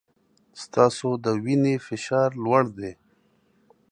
ستاسو د وینې فشار لوړ دی.